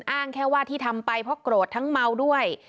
อ้างแค่ว่าที่ทำไปเพราะโกรธทั้งเมาด้วย